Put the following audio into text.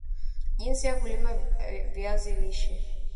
Jinsi ya kulima aviazi lishe